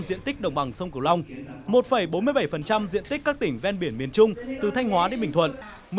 một mươi bảy tám diện tích đồng bằng sông cửu long một bốn mươi bảy diện tích các tỉnh ven biển miền trung từ thanh hóa đến bình thuận